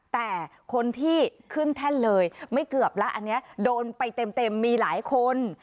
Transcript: แต่คนที่ขึ้นแท่นเลยไม่เกือบแล้วอันนี้โดนไปเต็มมีหลายคน